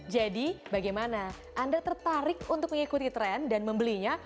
jadi bagaimana anda tertarik untuk mengikuti trend dan membelinya